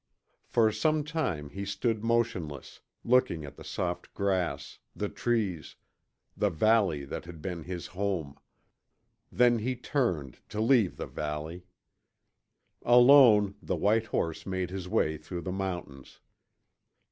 For some time he stood motionless, looking at the soft grass, the trees, the valley that had been his home. Then he turned to leave the valley. Alone, the white horse made his way through the mountains.